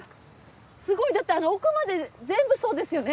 すごいだってあの奥まで全部そうですよね？